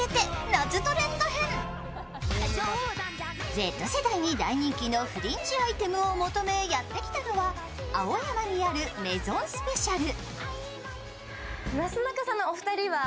Ｚ世代に大人気のフリンジアイテムを求めやってきたのは青山にあるＭＡＩＳＯＮＳＰＥＣＩＡＬ。